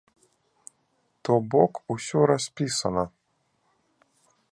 То бок усё распісана.